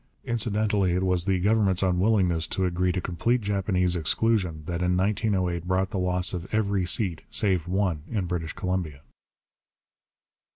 Incidentally it was the Government's unwillingness to agree to complete Japanese exclusion that in 1908 brought the loss of every seat, save one, in British Columbia.